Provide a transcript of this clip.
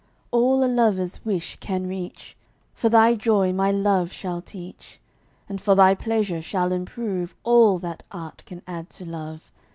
All a lover's wish can reach, For thy joy my love shall teach; And for thy pleasure shall improve All that art can add to love.